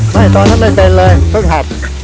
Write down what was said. ตอนนั้นไม่เป็นเลยเพิ่งหัด